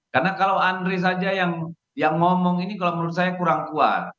karena kalau andri saja yang ngomong ini kalau menurut saya kurang kuat